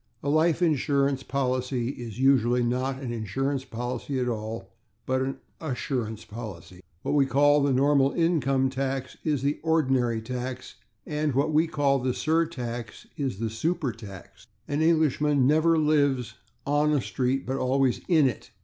A life insurance policy is usually not an insurance policy at all, but an /assurance/ policy. What we call the normal income tax is the /ordinary/ tax; what we call the surtax is the /supertax/. An Englishman never lives /on/ a street, but always /in/ it.